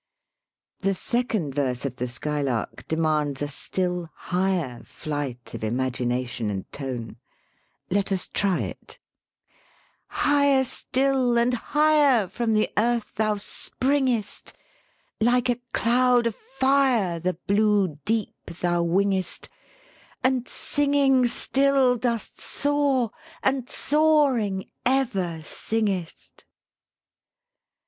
The second verse of the "Skylark" de mands a still higher flight of imagination and tone. Let us try it. 117 THE SPEAKING VOICE "Higher still and higher From the earth thou springest, Like a cloud of fire The blue deep thou wingest, And singing still dost soar, and soaring ever singest."